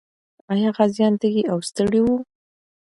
آیا غازیان تږي او ستړي وو؟